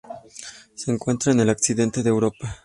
Se encuentra en el occidente de Europa.